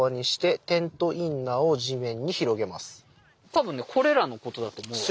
多分ねこれらのことだと思うよ。